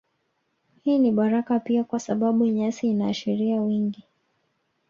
Hii ni baraka pia kwa sababu nyasi inaashiria wingi